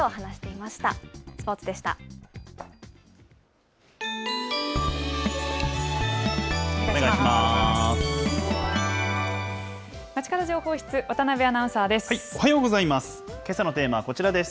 まちかど情報室、渡辺アナウンサーです。